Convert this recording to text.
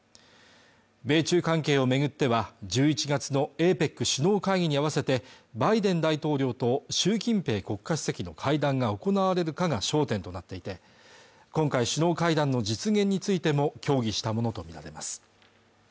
米中関係を巡っては１１月のＡＰＥＣ首脳会議に合わせてバイデン大統領と習近平国家主席の会談が行われるかが焦点となっていて今回、首脳会談の実現についても協議したものと見られます